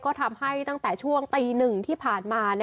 ก็ทำให้ตั้งแต่ช่วงตี๑ที่ผ่านมา